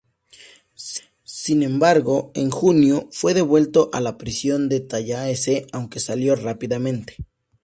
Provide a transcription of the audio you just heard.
Sin embargo, en junio, fue devuelto a la prisión de Tallahassee aunque salió rápidamente.